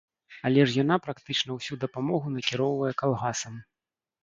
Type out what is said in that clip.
Але ж яна практычна ўсю дапамогу накіроўвае калгасам.